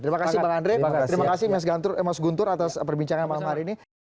terima kasih bang andre terima kasih mas guntur atas perbincangan malam hari ini